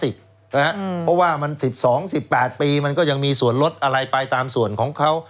เพราะว่ามัน๑๒๑๘ปีมันก็ยังมีส่วนลดอะไรไปตามส่วนของเขา